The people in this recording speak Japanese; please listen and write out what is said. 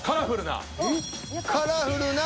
「カラフルな」。